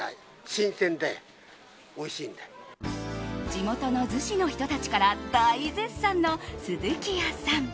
地元の逗子の人たちから大絶賛のスズキヤさん。